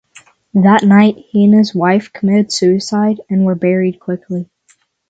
That night, he and his wife committed suicide, and were buried quickly.